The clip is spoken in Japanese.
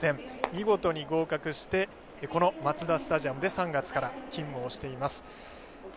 見事に合格してこのマツダスタジアムで３月から勤務をしています。